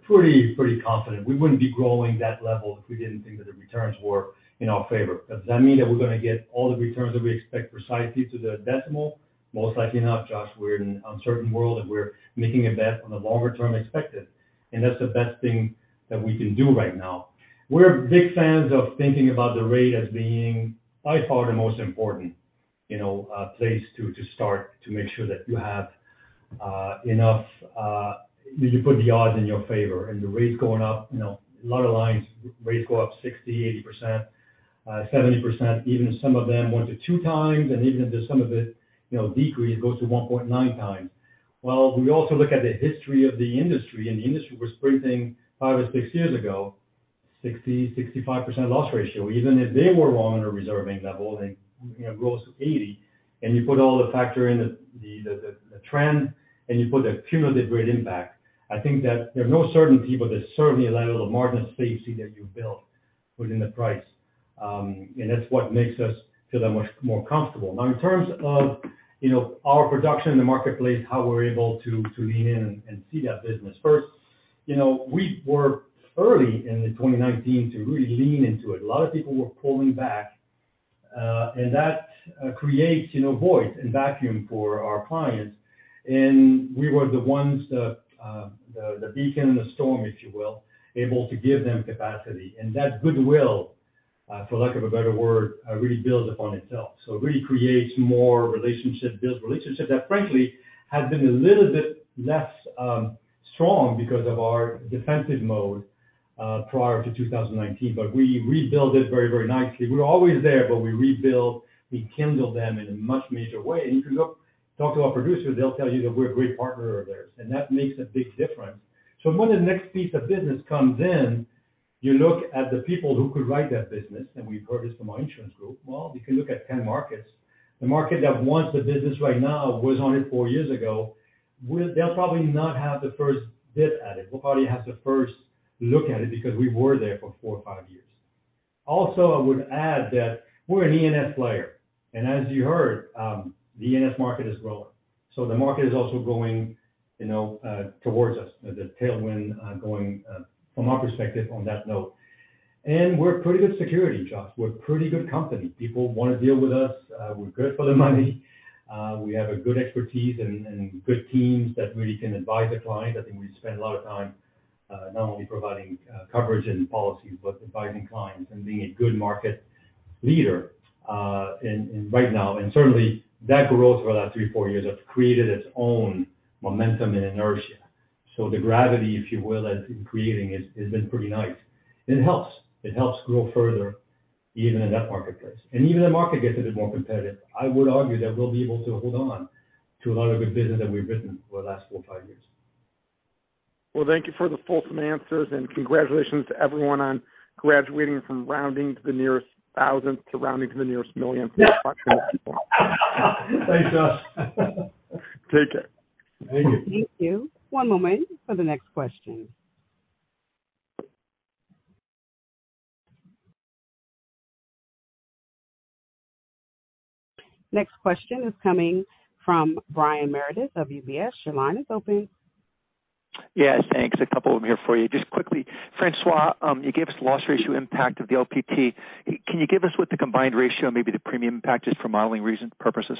pretty confident. We wouldn't be growing that level if we didn't think that the returns were in our favor. Does that mean that we're gonna get all the returns that we expect precisely to the decimal? Most likely not, Josh. We're in an uncertain world, and we're making a bet on the longer term expected, and that's the best thing that we can do right now. We're big fans of thinking about the rate as being by far the most important, you know, place to start to make sure that you have enough that you put the odds in your favor. The rate's going up, you know. A lot of lines, rates go up 60%, 80%, 70% even some of them 1x to 2x. Even if there's some of it, you know, decrease, it goes to 1.9x. We also look at the history of the industry, and the industry was sprinting five or six years ago, 60%-65% loss ratio. Even if they were wrong on a reserving level and, you know, grows to 80 and you put all the factor in the trend and you put the cumulative rate impact, I think that there's no certainty but there's certainly a level of margin of safety that you've built within the price. That's what makes us feel that much more comfortable. Now, in terms of, you know, our production in the marketplace, how we're able to lean in and see that business. First, you know, we were early in the 2019 to really lean into it. A lot of people were pulling back, and that creates, you know, voids and vacuum for our clients. We were the ones, the beacon in the storm, if you will, able to give them capacity. That goodwill, for lack of a better word, really builds upon itself. It really creates more relationship, builds relationship that frankly has been a little bit less strong because of our defensive mode, prior to 2019. We rebuilt it very, very nicely. We're always there, but we rebuild, we kindle them in a much major way. You can talk to our producers, they'll tell you that we're a great partner of theirs, and that makes a big difference. When the next piece of business comes in, you look at the people who could write that business, and we purchased from our insurance group. We can look at 10 markets. The market that wants the business right now was on it 4 years ago. They'll probably not have the first dip at it. We'll probably have the first look at it because we were there for four or five years. I would add that we're an E&S player, and as you heard, the E&S market is growing. The market is also growing, you know, towards us. The tailwind going from our perspective on that note. We're pretty good security, Josh. We're a pretty good company. People want to deal with us. We're good for the money. We have a good expertise and good teams that really can advise a client. I think we spend a lot of time, not only providing coverage and policies, but advising clients and being a good market leader in right now. Certainly that growth over the last three, four years have created its own momentum and inertia. The gravity, if you will, that it's been creating has been pretty nice. It helps. It helps grow further even in that marketplace. Even the market gets a bit more competitive, I would argue that we'll be able to hold on to a lot of good business that we've written over the last four or five years. Well, thank you for the fulsome answers, and congratulations to everyone on graduating from rounding to the nearest thousandth to rounding to the nearest millionth. Thanks, Josh. Take care. Thank you. Thank you. One moment for the next question. Next question is coming from Brian Meredith of UBS. Your line is open. Thanks. A couple of them here for you. Just quickly, François, you gave us loss ratio impact of the LPT. Can you give us what the combined ratio, maybe the premium impact, just for modeling purposes?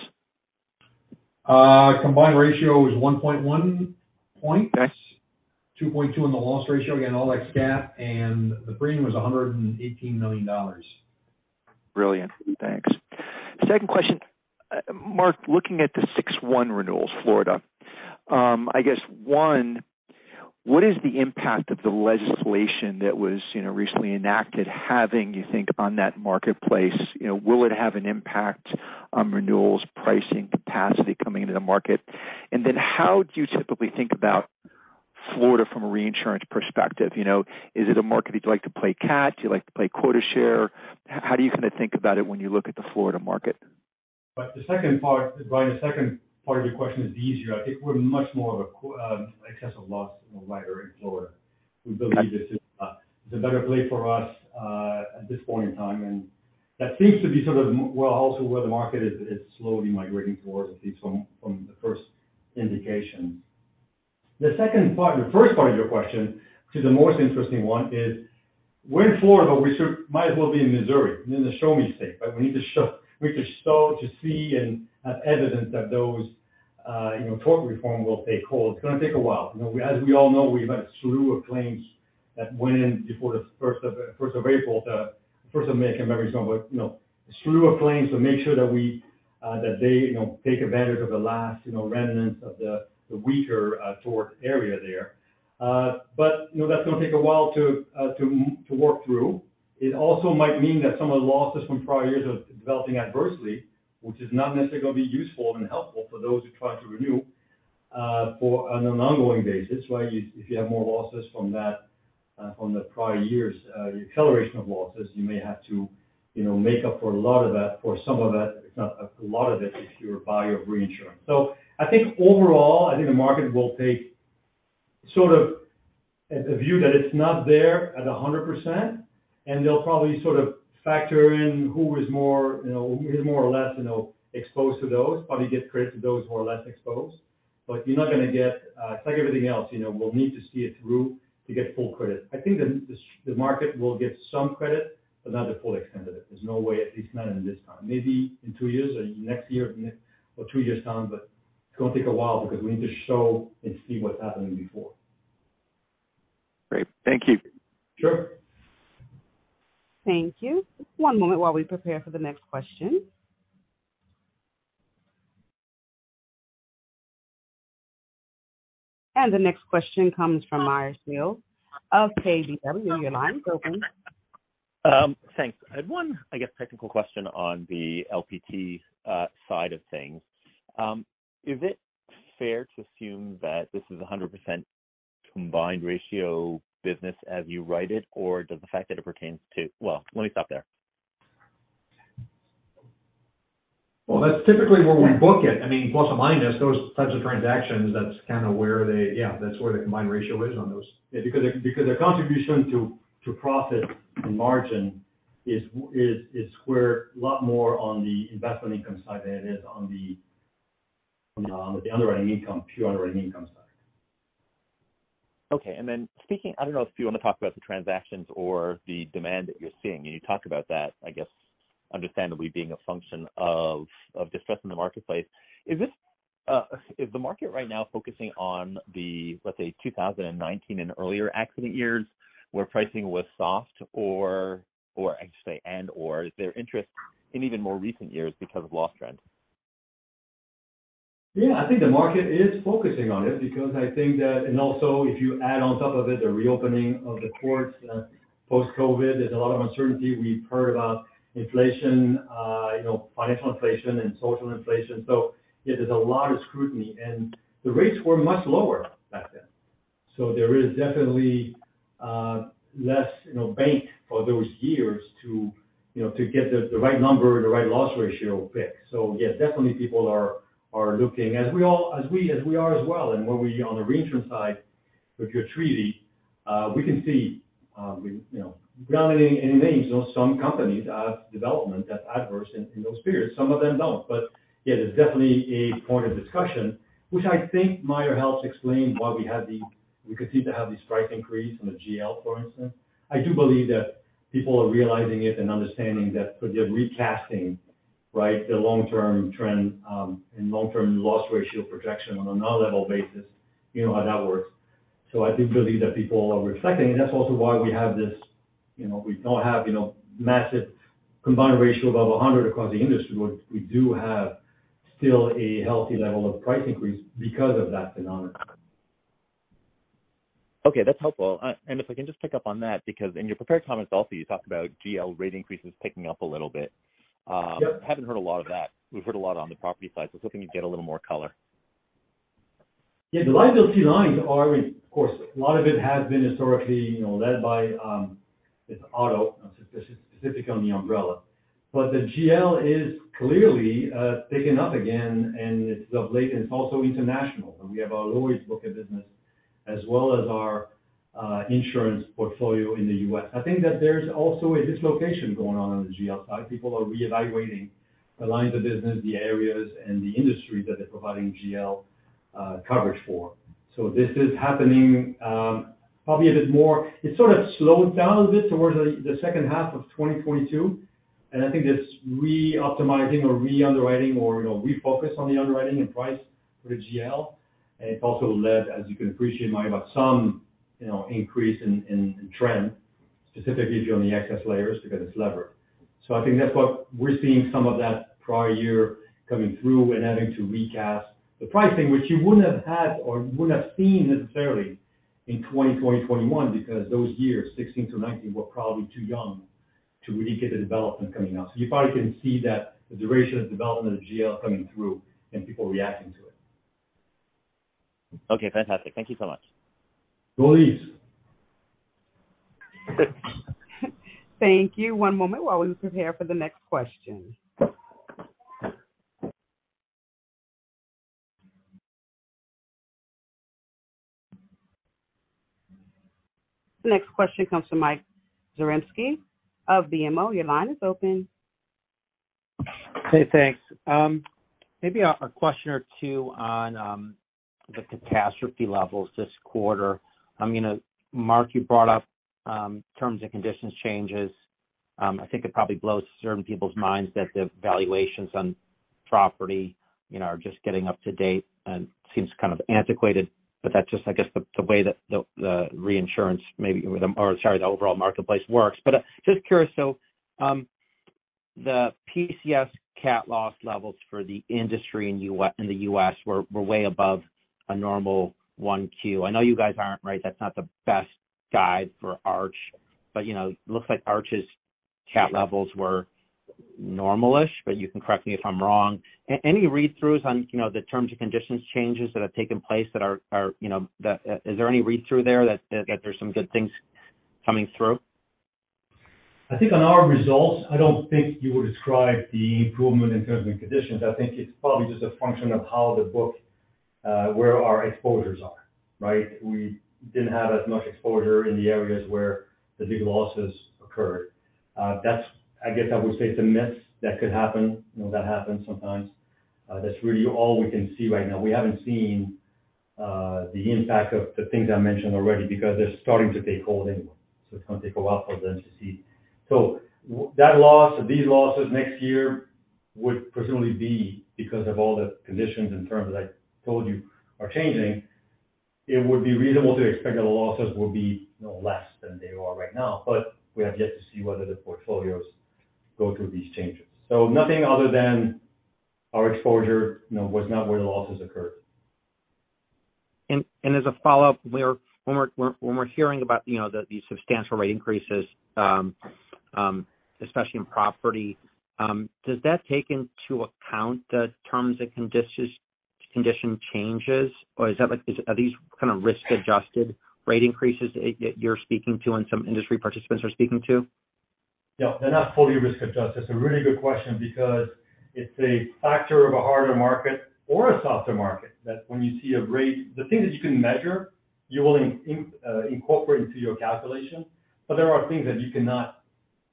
Combined ratio is 1.1. Yes. 2.2 in the loss ratio. Again, all that stat and the premium was $118 million. Brilliant. Thanks. Second question. Marc, looking at the 6/1 renewals, Florida, I guess, one, what is the impact of the legislation that was, you know, recently enacted having you think on that marketplace? You know, will it have an impact on renewals, pricing, capacity coming into the market? How do you typically think about Florida from a reinsurance perspective? You know, is it a market you'd like to play cat? Do you like to play quota share? How do you kind of think about it when you look at the Florida market? The second part, Brian, the second part of your question is easier. I think we're much more of a excess of loss writer in Florida. We believe this is a better play for us at this point in time. That seems to be sort of where also where the market is slowly migrating towards, at least from the first indication. The first part of your question, which is the most interesting one, is we're in Florida, but we sort of might as well be in Missouri, in the show me state, right? We need to show, we need to start to see and have evidence that those, you know, tort reform will take hold. It's going to take a while. You know, as we all know, we've had a slew of claims that went in before the 1st of, 1st of April. The 1st of May, I can't remember which one, you know, a slew of claims to make sure that we, that they, you know, take advantage of the last, you know, remnants of the weaker, tort area there. You know, that's going to take a while to work through. It also might mean that some of the losses from prior years are developing adversely, which is not necessarily going to be useful and helpful for those who try to renew, for on an ongoing basis, right? If you have more losses from that, from the prior years, the acceleration of losses, you may have to, you know, make up for a lot of that or some of that. It's not a lot of it if you're a buyer of reinsurance. I think overall, I think the market will take sort of a view that it's not there at 100%, and they'll probably sort of factor in who is more, you know, who is more or less, you know, exposed to those, probably give credit to those more or less exposed. You're not going to get, it's like everything else, you know, we'll need to see it through to get full credit. I think the market will give some credit, but not the full extent of it. There's no way, at least not in this time. Maybe in two years or next year or two years time, but it's going to take a while because we need to show and see what's happening before. Great. Thank you. Sure. Thank you. One moment while we prepare for the next question. The next question comes from Meyer Shields of KBW. Your line is open. Thanks. I had one, I guess, technical question on the LPT side of things. Is it fair to assume that this is a 100% combined ratio business as you write it, or does the fact that it pertains to...? Well, let me stop there. Well, that's typically where we book it. I mean, plus or minus those types of transactions, that's kind of where they, yeah, that's where the combined ratio is on those. Because the contribution to profit and margin is square a lot more on the investment income side than it is on the underwriting income, pure underwriting income side. Okay. Then speaking, I don't know if you want to talk about the transactions or the demand that you're seeing, and you talked about that, I guess understandably being a function of distress in the marketplace. Is this, is the market right now focusing on the, let's say, 2019 and earlier accident years where pricing was soft or I should say, and or is there interest in even more recent years because of loss trend? Yeah, I think the market is focusing on it because I think that. Also if you add on top of it the reopening of the courts, post-COVID, there's a lot of uncertainty. We've heard about inflation, you know, financial inflation and social inflation. Yeah, there's a lot of scrutiny, and the rates were much lower back then. There is definitely less, you know, bank for those years to, you know, to get the right number, the right loss ratio pick. Yeah, definitely people are looking. As we are as well, and when we on the reinsurance side with your treaty, we can see, we, you know, without naming any names, you know, some companies have development that's adverse in those periods. Some of them don't. Yeah, there's definitely a point of discussion, which I think, Meyer, helps explain why we continue to have the strike increase from the GL, for instance. I do believe that people are realizing it and understanding that they're recasting, right, the long-term trend, and long-term loss ratio projection on an all level basis. You know how that works. I do believe that people are reflecting, and that's also why we have this, you know, we don't have, you know, massive combined ratio above 100 across the industry. What we do have still a healthy level of price increase because of that phenomenon. Okay, that's helpful. If I can just pick up on that because in your prepared comments also, you talked about GL rate increases picking up a little bit. Yep. Haven't heard a lot of that. We've heard a lot on the property side, so was hoping you'd get a little more color. Yeah. The liability lines are, I mean, of course, a lot of it has been historically, you know, led by, it's auto specific on the umbrella. The GL is clearly picking up again, and it's of late, and it's also international. We have our Lloyd's book of business as well as our insurance portfolio in the U.S. I think that there's also a dislocation going on on the GL side. People are reevaluating the lines of business, the areas and the industry that they're providing GL coverage for. This is happening, probably a bit more. It sort of slowed down a bit towards the second half of 2022, and I think it's reoptimizing or re-underwriting or, you know, refocus on the underwriting and price for the GL. It also led, as you can appreciate, Meyer, about some, you know, increase in trend, specifically if you're on the excess layers because it's levered. I think that's what we're seeing some of that prior year coming through and having to recast the pricing, which you wouldn't have had or wouldn't have seen necessarily in 2020, 2021 because those years, 16 to 19, were probably too young to really get the development coming out. You probably can see that the duration of development of GL coming through and people reacting to it. Okay. Fantastic. Thank you so much. Thank you. One moment while we prepare for the next question. The next question comes from Mike Zaremski of BMO. Your line is open. Hey, thanks. Maybe a question or two on the catastrophe levels this quarter. I mean, Marc, you brought up terms and conditions changes. I think it probably blows certain people's minds that the valuations on property, you know, are just getting up to date and seems kind of antiquated, but that's just, I guess the way that the reinsurance maybe with them or, sorry, the overall marketplace works. Just curious though, the PCS cat loss levels for the industry in the U.S. were way above a normal 1Q. I know you guys aren't, right, that's not the best guide for Arch, but you know, looks like Arch's cat levels were normal-ish, but you can correct me if I'm wrong. Any read-throughs on, you know, the terms and conditions changes that have taken place that are, you know? Is there any read-through there that there's some good things coming through? I think on our results, I don't think you would describe the improvement in terms and conditions. I think it's probably just a function of how the book, where our exposures are, right? We didn't have as much exposure in the areas where the big losses occurred. I guess I would say it's a mix that could happen, you know, that happens sometimes. That's really all we can see right now. We haven't seen the impact of the things I mentioned already because they're starting to take hold anyway, so it's gonna take a while for them to see. That loss or these losses next year would presumably be because of all the conditions and terms, as I told you, are changing. It would be reasonable to expect that the losses will be, you know, less than they are right now. We have yet to see whether the portfolios go through these changes. Nothing other than our exposure, you know, was not where the losses occurred. As a follow-up, where when we're hearing about, you know, the substantial rate increases, especially in property, does that take into account the terms and condition changes, or is that like, are these kind of risk adjusted rate increases that you're speaking to and some industry participants are speaking to? No, they're not fully risk adjusted. It's a really good question because it's a factor of a harder market or a softer market that when you see a rate, the thing that you can measure, you will incorporate into your calculation. There are things that you cannot,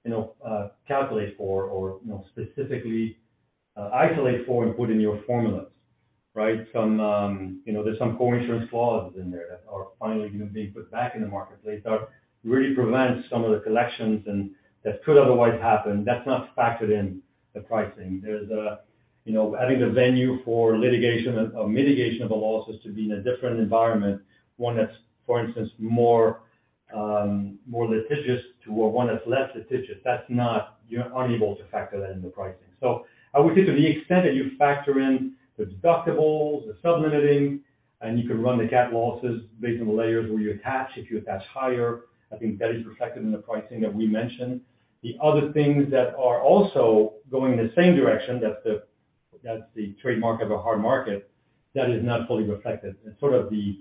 you know, calculate for or, you know, specifically, isolate for and put in your formulas, right? Some, you know, there's some co-insurance clauses in there that are finally going to be put back in the marketplace that really prevents some of the collections and that could otherwise happen. That's not factored in the pricing. There's a, you know, having the venue for litigation of mitigation of the losses to be in a different environment, one that's for instance more litigious to one that's less litigious. You're unable to factor that in the pricing. I would say to the extent that you factor in the deductibles, the sub-limiting, and you can run the cat losses based on the layers where you attach. If you attach higher, I think that is reflected in the pricing that we mentioned. The other things that are also going in the same direction, that's the trademark of a hard market that is not fully reflected. It's sort of the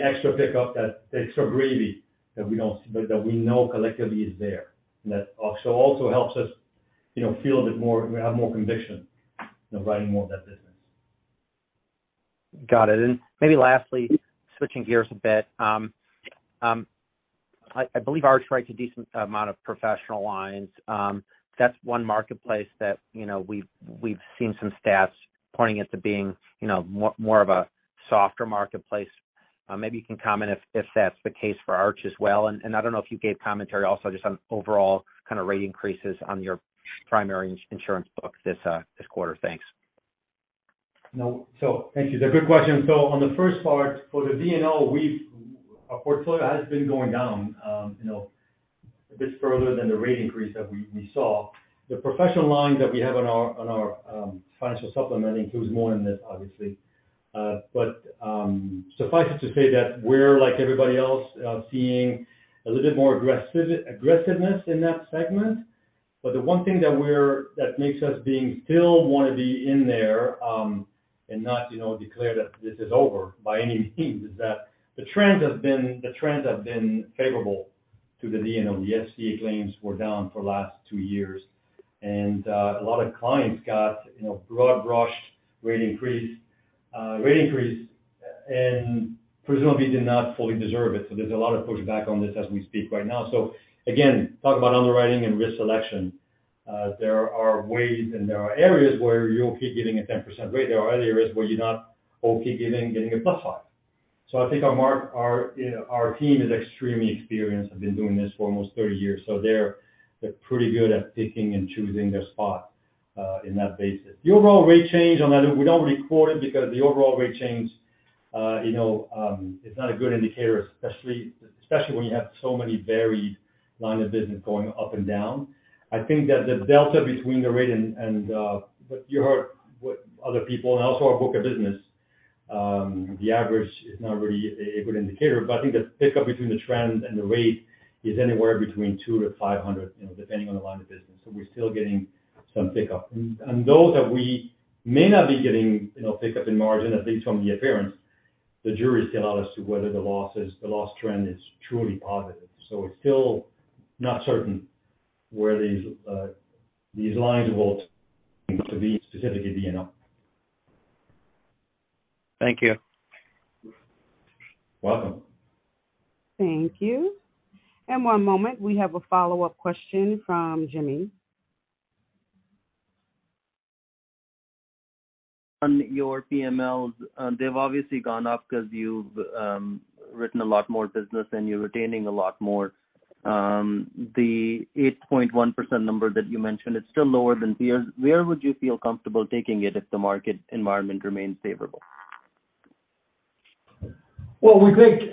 extra pickup, that extra gravy that we don't see, but that we know collectively is there. That also helps us, you know, feel a bit more, we have more conviction, you know, writing more of that business. Got it. Maybe lastly, switching gears a bit. I believe Arch writes a decent amount of professional lines. That's one marketplace that, you know, we've seen some stats pointing it to being, you know, more of a softer marketplace. Maybe you can comment if that's the case for Arch as well. I don't know if you gave commentary also just on overall kind of rate increases on your primary insurance book this quarter. Thanks. No. Thank you. They're good questions. On the first part, for the D&O, our portfolio has been going down, you know, a bit further than the rate increase that we saw. The professional lines that we have on our financial supplement includes more than this, obviously. Suffice it to say that we're like everybody else, seeing a little bit more aggressiveness in that segment. The one thing that makes us being still wanna be in there, and not, you know, declare that this is over by any means, is that the trends have been favorable to the D&O. The AOB claims were down for the last two years. A lot of clients got, you know, broad brushed rate increased, rate increase and presumably did not fully deserve it. There's a lot of pushback on this as we speak right now. Again, talk about underwriting and risk selection. There are ways and there are areas where you'll keep getting a 10% rate. There are other areas where you're not okay giving, getting a +5%. I think our, you know, our team is extremely experienced, have been doing this for almost 30 years. They're, they're pretty good at picking and choosing their spot in that basis. The overall rate change on that, we don't report it because the overall rate change, you know, is not a good indicator, especially when you have so many varied line of business going up and down. I think that the delta between the rate and, but you heard what other people and also our book of business, the average is not really a good indicator. I think the pickup between the trend and the rate is anywhere between 2-500, you know, depending on the line of business. We're still getting some pickup. Those that we may not be getting, you know, pickup in margin, at least from the appearance, the jury is still out as to whether the losses, the loss trend is truly positive. It's still not certain where these lines will be, specifically D&O. Thank you. You're welcome. Thank you. One moment, we have a follow-up question from Jimmy. On your PMLs, they've obviously gone up because you've written a lot more business and you're retaining a lot more. The 8.1% number that you mentioned, it's still lower than peers. Where would you feel comfortable taking it if the market environment remains favorable? We think,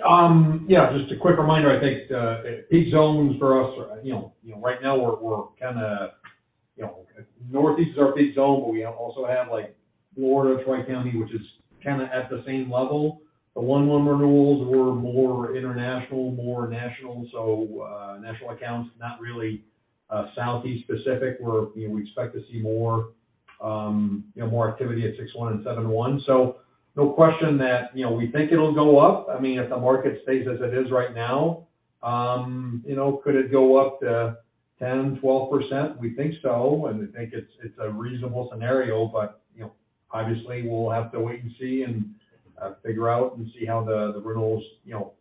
yeah, just a quick reminder, I think, each zone for us, you know, right now we're kinda, you know, Northeast is our big zone, but we also have like Florida, Tri-County, which is kinda at the same level. The 1/1 renewals were more international, more national. National accounts, not really, Southeast specific, where, you know, we expect to see more, you know, more activity at 6/1 and 7/1. No question that, you know, we think it'll go up. I mean, if the market stays as it is right now, you know, could it go up to 10%-12%? We think so, and we think it's a reasonable scenario. You know, obviously, we'll have to wait and see and figure out and see how the renewals, you know,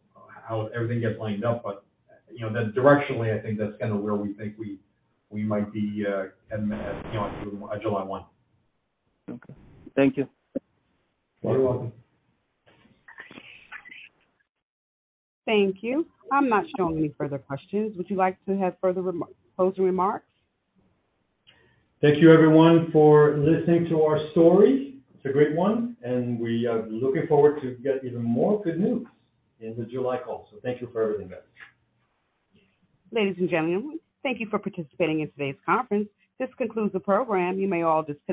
how everything gets lined up. You know, that directionally, I think that's kinda where we think we might be heading at, you know, July one. Okay. Thank you. You're welcome. Thank you. I'm not showing any further questions. Would you like to have further closing remarks? Thank you everyone for listening to our story. It's a great one, and we are looking forward to get even more good news in the July call. Thank you for everything, guys. Ladies and gentlemen, thank you for participating in today's conference. This concludes the program. You may all disconnect.